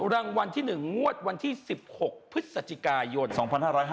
รังวัลที่หนึ่งงวดวันที่๑๖พฤศจิกายน